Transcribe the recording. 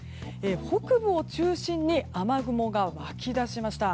北部を中心に雨雲が湧きだしました。